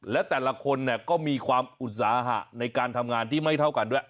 และแต่ละคนก็มีความอุตสาหะในการทำงานที่ไม่เท่ากันด้วย